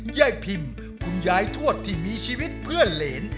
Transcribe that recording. ยายพิมคุณยายทวดที่มีชีวิตเพื่อนเหรน